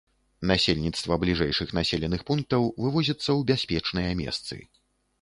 Насельніцтва бліжэйшых населеных пунктаў вывозіцца ў бяспечныя месцы.